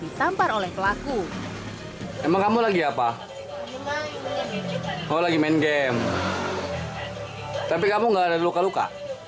ditampar oleh pelaku emang kamu lagi apa oh lagi main game tapi kamu nggak ada luka luka